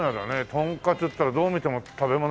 「とんかつ」っていったらどう見ても食べ物屋だよね。